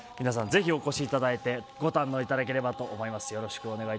ぜひお越しいただいてご堪能いただければと思います。